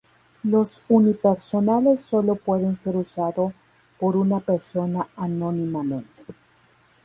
Los unipersonales solo pueden ser usados por una persona anónimamente.